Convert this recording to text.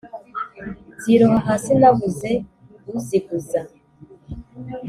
nzirora hasi nabuze uziguza !